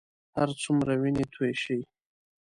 هرڅومره وینې تویې شي.